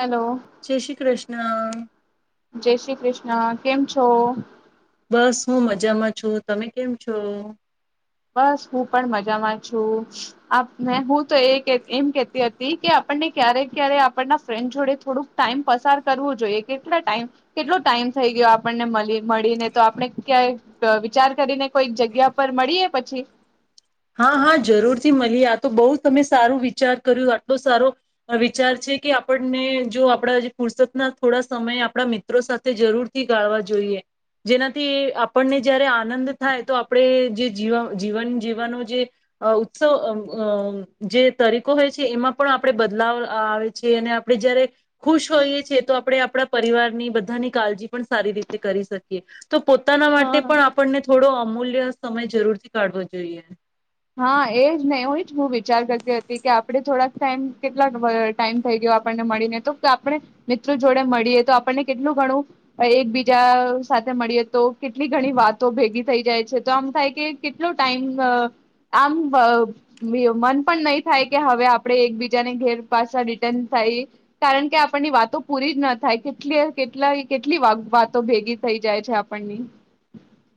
Hello જય શ્રી કૃષ્ણ. હ. જય શ્રી કૃષ્ણ, કેમ છો? બસ હું મજામાં છું, તમે કેમ છો? બસ હું પણ મજામાં છું હું આ તો એ એમ કેતી હતી કે આપણને ક્યારેક-ક્યારેક આપણના ફ્રેન્ડ જોડે થોડુંક ટાઈમ પસાર કરવું જોઈએ કેટલા ટાઈમ કેટલો ટાઈમ થઈ ગયો આપણને મલી મળીને તો આપણે ક્યાંક વિચાર કરીને કોઈક જગ્યા પર મળીએ? પછી હા-હા, જરૂરથી મળીએ આ તો બહુ તમે સારું વિચાર કર્યું આટલો સારો વિચાર છે કે આપણને જો આપણા ફુરસતના થોડા સમય આપણા મિત્રો સાથે જરૂરથી ગાળવા જોઈએ જેનાથી આપણને જયારે આનંદ થાય તો આપણે જે જી જીવન જીવવાનો જે અ ઉત્સવ અ જે તરીકો હોય છે ઈમાં પણ આપણે બદલાવ આવે છે અને આપણે જયારે ખુશ હોઈએ છીએ તો આપણે આપણા પરિવારની બધાની કાળજી પણ સારી રીતે કરી શકીએ. તો પોતાના માટે હા પણ આપણને થોડો અમૂલ્ય સમય જરૂરથી કાઢવો જોઈએ. હા, એ જ ને એવું જ હું વિચાર કરતી હતી કે આપણે થોડાક ટાઈમ કેટલા ટાઈમ થઈ ગયો આપણને મળીને તો કે આપણે મિત્રો જોડે મળીએ તો આપણને કેટલું ઘણું એકબીજા સાથે મળીએ તો કેટલી ઘણી વાતો ભેગી થઈ જાય છે તો આમ થાય કે કેટલો ટાઈમ અમ્મ- આમ અ પ મન પણ નહી થાય કે હવે આપણે એકબીજાને ઘેર પાછા રિટર્ન થાય કારણ કે આપણની વાતો પૂરી જ ના થાય કેટલી કેટલા કેટલી વાતો ભેગી થઈ જાય છે આપણની.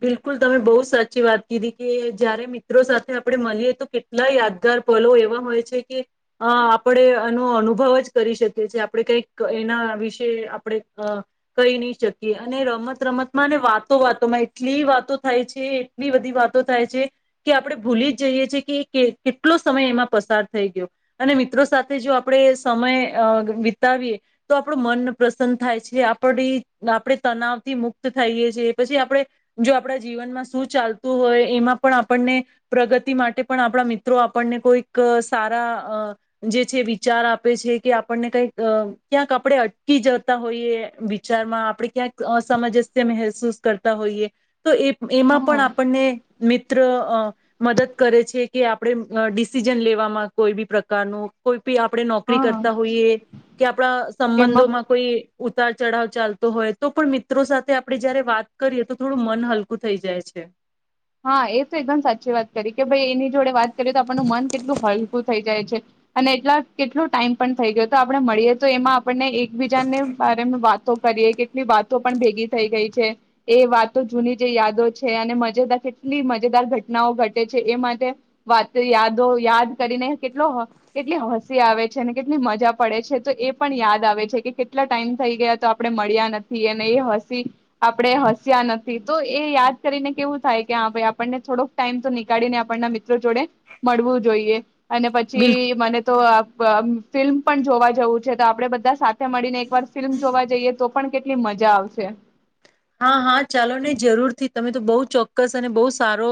બિલકુલ, તમે બહુ સાચી વાત કીધી કે જયારે મિત્રો સાથે આપણે મળીએ તો કેટલા યાદગાર પલો એવા હોય છે કે અ આપણે એનો અનુભવ જ કરી શકીએ છીએ આપણે કાઈક એના વિશે આપણે અ કઈ નહી શકીએ અને રમત રમતમાં અને વાતો વાતોમાં એટલી વાતો થાય છે એટલી બધી વાતો થાય છે કે આપણે ભૂલી જ જઈએ છે કે કેટલો સમય એમાં પસાર થઈ ગયો અને મિત્રો સાથે જો આપણે સમય અ વિતાવીએ તો આપણું મન પ્રસન્ન થાય છે આપણે-આપણે તનાવથી મુક્ત થઈએ છીએ, પછી આપણે જો આપણા જીવનમાં શું ચાલતું હોય એમાં પણ આપણને પ્રગતિ માટે પણ આપણા મિત્રો આપણને કોઈક સારા જે છે વિચાર આપે છે કે આપણને કઈક ક્યાંક આપણે અટકી જતા હોઈએ વિચારમાં આપણે ક્યાંક અસમંજસ્ય મહેસૂસ કરતા હોઈએ તો એ એમાં હા પણ આપણને મિ ત્ર અ મદદ કરે છે કે આપણે ડિસિઝન લેવામાં કોઈ બી પ્રકારનું કોઈ આપણે નોકરી હા કરતા હોઈએ કે આપણા એમાં સંબંધોમાં કોઈ ઉતાર ચઢાવ ચાલતો હોય તો પણ મિત્રો સાથે આપડે જયારે વાત કરીએ તો થોડું મન હલકું થઈ જાય છે. હા એ તો એકદમ સાચી વાત કરી કે ભાઈ એની જોડે વાત કરીએ તો આપણનું મન કેટલું હલકું થઈ જાય છે અને એટલા કેટલો ટાઈમ પણ થઈ ગયો તો આપડણે મળીએ તો એમાં આપણને એકબીજાને બારેમા વાતો કરીએ કેટલી વાતો પણ ભેગી થઈ ગઈ છે એ વાતો જૂની જે યાદો છે અને મજેદાર કેટલી મજેદાર ઘટનાઓ ઘટે છે એ માટે વાત યાદો યાદ કરીને કેટલો કેટલી હસી આવે છે અને કેટલી મજા પડે છે તો એ પણ યાદ આવે છે કે કેટલા ટાઈમ થઈ ગયા તો આપણે મળ્યા નથી અને એ હસી આપણે હસ્યા નથી તો એ યાદ કરીને કેવું થાય કે હા ભઈ આપણને થોડોક ટાઈમ તો નીકાળીને આપણના મિત્રો જોડે મળવું જોઈએ. અને બિલકુલ પછી મને તો ફિલ્મ પણ જોવા જવું છે તો આપડે બધા સાથે મળીને એકવાર ફિલ્મ જોવા જઈએ તો પણ કેટલી મજા આવશે. હા-હા, ચાલો ને જરૂરથી તમે તો બહુ ચોક્કસ અને બહુ સારો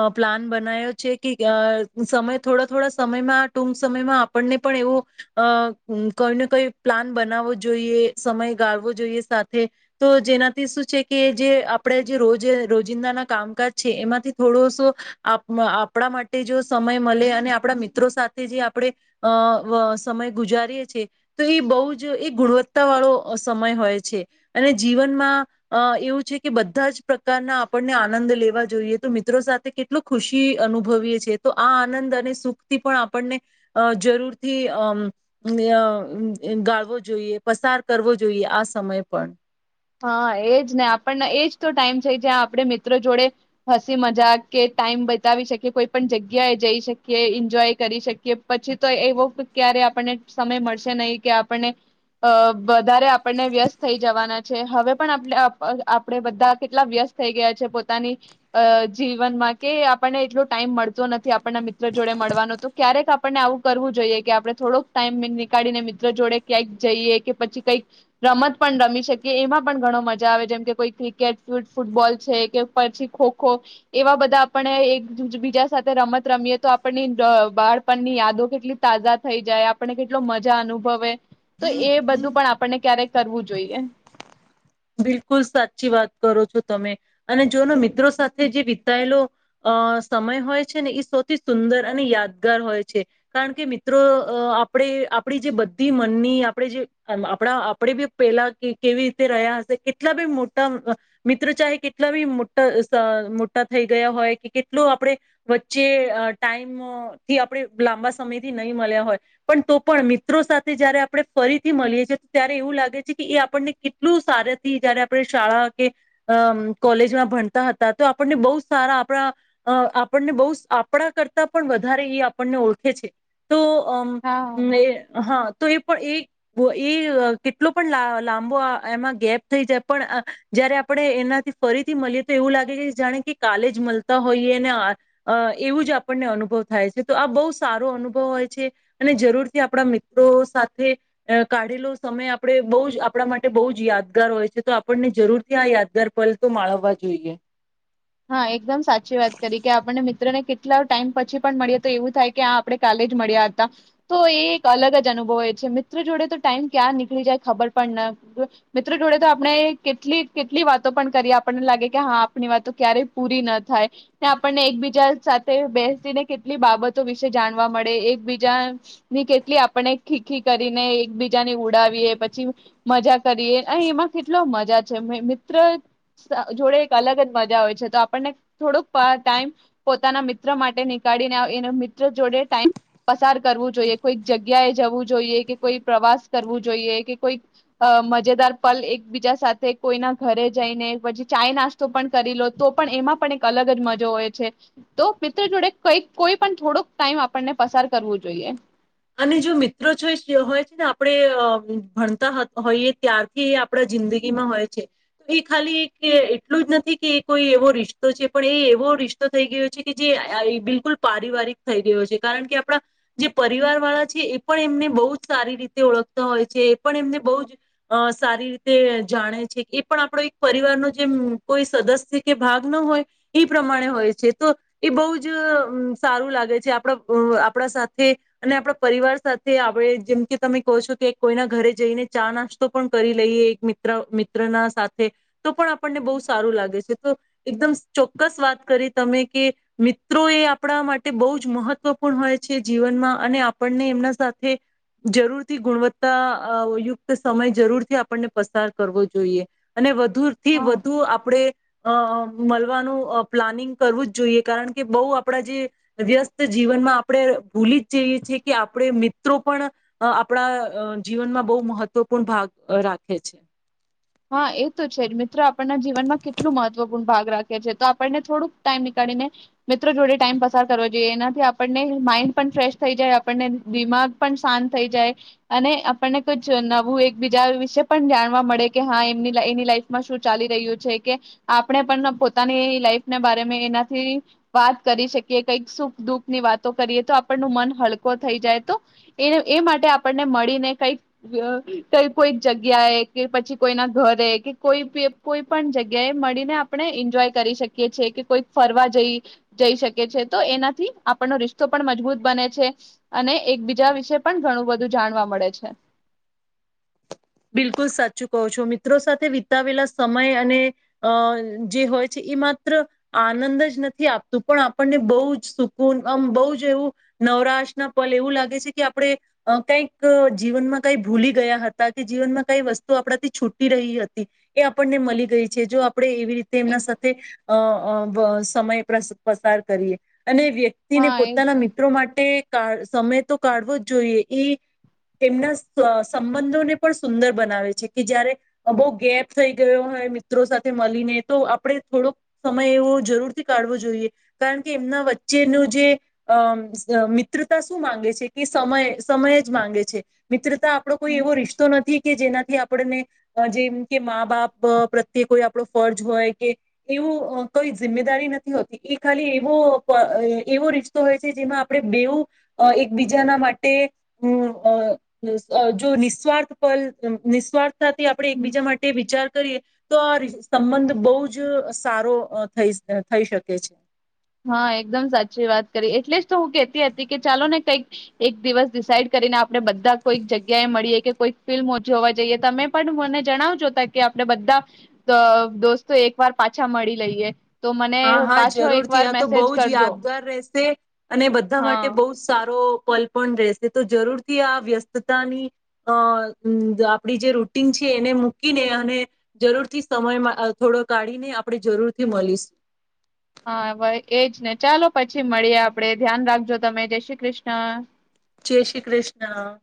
અ પ્લાન બનાયો છે કે અ સમય થોડા-થોડા સમયમાં, ટૂંક સમયમાં આપણને પણ એવો અ કઈને કઈ પ્લાન બનાવવો જોઈએ સમય ગાળવો જોઈએ સાથે તો જેના શું છે કે જે આપણે જે રોજ રોજિંદાના કામકાજ છે એમાંથી થોડોસો આ આપણા માટે જો સમય મળે અને આપણા મિત્રો સાથે જે આપણે અ વ સમય ગુજારીએ છીએ તો એ બહુ જ એ ગુણવત્તા વાળો સમય હોય છે અને જીવનમાં અ એવું છે કે બધા જ પ્રકારના આપણને આનંદ લેવા જોઈએ તો મિત્રો સાથે કેટલો ખુશી અનુભવીએ છીએ તો આ આનંદ અને સુખથી પણ આપણને અ જરૂરથી અમ ગાળવો જોઈએ પસાર કરવો જોઈએ આ સમય પણ. હા, એજ ને આપણને એજ તો ટાઈમ છે જ્યાં આપણે મિત્રો જોડે હસી મજાક કે ટાઈમ બતાવી શકીએ, કોઈ પણ જગ્યાએ જઈ શકીએ, એન્જોય કરી શકીએ પછી તો એવો ક્યારે આપણને સમય મળશે નહી કે આપણને અ વધારે આપણને વ્યસ્ત થઈ જવાના. હવે પણ આ આપે બધા કેટલા વ્યસ્ત થઈ ગયા છે પોતાની અ જીવનમાં કે આપણને એટલો ટાઈમ મળતો નથી આપણના મિત્ર જોડે મળવાનો તો ક્યારેક આપણને આવું કરવું જોઈએ કે આપણે થોડોક ટાઈમ નીકાળીને મિત્ર જોડે ક્યાંક જઈએ કે પછી કંઈક રમત પણ રમી શકે કે એમાં પણ ઘણો મજા આવે જેમ કે કોઈ ક્રિકેટ, ફૂટબોલ છે કે પછી ખોખો એવા બધા આપણે એક બીજા સાથે રમત રમીએ તો અ આપણની બાળપણની યાદો કેટલી તાજા થઈ જાય આપણને કેટલો મજા અનુભવે. તો એ બધું પણ આપણને ક્યારેક કરવું જોઈએ. બિલકુલ સાચી વાત કરો છો તમે અને જોનો મિત્રો સાથે જે વિતાયેલો અ સમય હોય છે ને ઈ સૌથી સુંદર અને યાદગાર હોય છે કારણ કે મિત્રો અ આપણે આપડી જે બધી મનની આપણે જે આપણા આપણે બી પેલા કેવી રીતે રહ્યા કેટલા બી મોટા મિત્ર અ ચાહે કેટલા બી મોટા સ મોટા થઈ ગયા હોય કે કેટલો આપણે વચ્ચે અ ટાઈમથી આપણે લાંબા સમયથી નહીં મળ્યા હોય પણ તો પણ મિત્રો સાથે જયારે આપણે ફરીથી મળીએ છીએ ત્યારે એવું લાગે છે કે એ આપણને કેટલું સાર થી જયારે આપણે શાળા કે અ કોલેજમાં ભણતા હતા તો આપણને બહુ સારા આપણા આપણને બ આપણા કરતા પણ વધારે એ આપણને ઓળખે છે તો અ હા. એ હા. તો એ પણ એ કેટલો પણ લાંબો એમાં ગેપ થઈ જાય પણ જયારે આપણે એનાથી ફરીથી મળીએ તો એવું લાગે કે જાણે કે કાલે જ મળતા હોઈએ ને એવું જ આપણને અનુભવ થાય છે તો આ બહુ સારો અનુભવ હોય છે અને જરૂરથી આપણા મિત્રો સાથે કાઢેલો સમય આપણે બહુ જ આપણા માટે બહુ જ યાદ યાદગાર હોય છે તો આપણને જરૂરથી આ યાદગાર પલ તો માળવવા જોઈએ. હા એકદમ સાચી વાત કરી કે આપણને મિત્રને કેટલા ટાઈમ પછી પણ મળી તો એવું થાય કે આ આપણે કાલે જ મળ્યા હતા તો એ એક અલગ જ અનુભવ હોય છે મિત્ર જોડે તો ટાઈમ ક્યાં નીકળી જાય ખબર પણ ન મિત્ર જોડે તો આપણે કેટલી કેટલી વાતો પણ કરીએ આપણને લાગે કે હા આપણી વાતો ક્યારે પૂરી ના થાય આપણને એકબીજા સાથે બેસીને કેટલી બાબતો વિશે જાણવા મળે એકબીજા ની કેટલી આપને ખીખી કરીને એકબીજાને ઉડાવીએ પછી મજા કરીએ અને એમાં કેટલો મજા છે મિત્ર જોડે અલગ આપણને થોડોક ટાઈમ પોતાના મિત્ર માટે નીકળીને એ મિત્ર જોડે ટાઈમ પસાર કરવું જોઈએ કોઈ જગ્યાએ જવું જોઈએ કે કોઈ પ્રવાસ કરવું જોઈએ કે કોઈ મજેદાર પલ એકબીજા સાથે કોઈના ઘરે જઈને પછી ચાય નાસ્તો પણ કરી લો તો પણ એમાં પણ એક અલગ જ મજો હોય છે તો મિત્ર જોડે કઈ કોઈ પણ થોડોક ટાઈમ આપણને પસાર કરવું જોઈએ. અને જો મિત્રો હોય છે ને આપણે ભણતા હોઈએ ત્યારથી એ આપણા જિંદગીમાં હોય છે તો એ ખાલી એટલું જ નથી કે એ કોઈ એવો રિશ્તો છે પણ એ એવો રિશ્તો થઈ ગયો છે કે જે બિલકુલ પારિવારિક થઈ ગયો છે કારણ કે આપણા જે પરિવાર વાળા છે એ પણ એમને બહુ જ સારી રીતે ઓળખતા હોય છે એ પણ એમને બહુ જ સારી રીતે જાણે છે એ પણ આપણો એક પરિવારનો જેમ કોઈ સદસ્ય કે ભાગ ન હોય એ પ્રમાણે હોય છે તો એ બહુ જ સારું લાગે છે આપણા આપણા સાથે- અને આપણા પરિવાર સાથે આપણે જેમ કે તમે કહો છો કે કોઈના ઘરે જઈને ચા નાસ્તો પણ કરી લઈએ એક મ્ર મિત્ર ના સાથે તો પણ આપણને બહુ સારું લાગે છે. તો એકદમ ચોક્કસ વાત કરી તમે કે મિત્રો એ આપણા માટે બહુ જ મહત્વપૂર્ણ હોય છે જીવનમાં. અને આપણને એમના સાથે જરૂરથી ગુણવત્તાયુક્ત સમય જરૂરથી આપણને પસાર કરવો જોઈએ અને વધુ થી હા વધુ આપડે અ અ મળવાનું પ્લાનિંગ કરવું જ જોઈએ કારણ કે બઉ આપણા જે વ્યસ્ત જીવનમાં આપણે ભૂલી જયે છે કે આપણે મિત્રો પણ આપણા અ જીવનમાં બહુ મહત્વપૂર્ણ ભાગ રાખે છે. હા એ તો છે જ મિત્ર આપણના જીવનમાં કેટલું મહત્વપૂર્ણ ભાગ રાખે છે તો આપણને થોડુંક ટાઈમ નીકળીને મિત્રો જોડે ટાઈમ પસાર કરવો જોઈએ, એનાથી આપણને માઇઈન્ડ પણ ફ્રેશ થઈ જાય, આપણને દિમાગ પણ શાંત થઈ જાય, અને આપણને કુછ નવું એકબીજા વિશે પણ જાણવા મળે. કે હા એમની એની લાઈફમાં શું ચાલી રહ્યું છે કે આપણે પણ પોતાની લાઈફના બારે મા એનાથી વાત કરી શકીએ કઈક સુખ દુઃખ ની વાતો કરીએ તો આપણ ન મન હલકો થઈ જાય તો એ એ માટે આપણને મળીને કઈક કઈ કોઈક જગ્યાએ કે પછી કોઈના ઘરે કે કોઈ કોઈ પણ જગ્યાએ મળીને આપણે એન્જોય કરી શકીએ છેએ કે કોઈ ફરવા જઈ જઈ શકીએ છે તો એનાથી આપણનો રિશતો પણ મજબૂત બને છે અને એકબીજા વિશે પણ ઘણું બધું જાણવા મળે છે. બિલકુલ સાચું કહો છો, મિત્રો સાથે વિતાવેલા સમય અને અ જે હોય છે એ માત્ર આનંદ જ નથી આપતું પણ આપણને બહુ જ સુકૂનમ બહુ જ એવું નવરાશ ના પલ એવું લાગે છે કે આપણે કઈક જીવનમાં કઈ ભૂલી ગયા હતા. જીવનમાં કઈ વસ્તુ આપણાથી છૂટી રહી હતી એ આપણને મળી ગઈ છે જો આપણે એ રીતે એમના એક સાથે અ અ વ સમય પસાર કરીએ. અને વ્યક્તિને હા એ જ પોતાના ને. મિત્રો માટે કાળ સમય તો કાઢવો જ જોઈએ એ તેમના સંબંધોને પણ સુંદર બનાવે છે કે જયારે બહુ ગેપ થઈ ગયો હોય મિત્રો સાથે મળીને તો આપણે થોડોક સમય એવો જરૂરથી કાઢવો જોઈએ કારણ કે એમના વચ્ચેનો જે અમ મિત્રતા શું માંગે છે કે સમય સમય જ માંગે છે. મિત્ર તા આપો કોઈ હમ એવો રિશ નથી કે જેનાથી આપણને જેમ કે મા બાપ પ્રત્યે કોઈ આપણો ફર્જ હોય કે એવું કઈ જિમ્દારી નથી હોતી એ ખાલી એવો એવો રિશ્તો હોય છે જેમાં આપણે બેવું એકબીજાના માટે હમ્મ અ જો નિસ્વાર્થ પલ એમ નિસ્વાર્થ તા થી આપણે હમ. એકબીજા માટે વિચાર કરીએ તો આ સંબંધ બહુ જ સારો થઈ થઈ શકે છે. હા એકદમ સાચી વાત કરી એટલે જ તો હું કેતી હતી. કે ચાલો ને કઈક એક દિવસ ડિસાઇડ કરીને આપણે બધા કોઈક જગ્યાએ મળીએ કે કોઈક ફિલ્મજ હોવા જઈએ તમે પણ મને જણાવજો ત કે આપણે બધા અ દોસ્તો એક વાર પાછા મળી લઈએ. તો મને પાછો એક વાર યા તો મેસેજ બવ જ કરજો યાદગાર રહેશે અને બધા હા માટે બવ જ સારું પલ પણ રહેશે તો જરૂરથી આ વ્યસ્તતા ની અ જે આપડી રૂટીન છે એને મૂકીને અને જરૂર થી સમયમાં થોડો કાઢીને આપણે જરૂર થી મળીશું. હા ભાઇ એજ ને ચાલો પછી મળીએ આપડે ધ્યાન રાખજો તમે જય શ્રી કૃષ્ણ. જય શ્રી કૃષ્ણ.